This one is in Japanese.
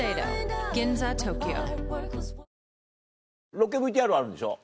ロケＶＴＲあるんでしょ？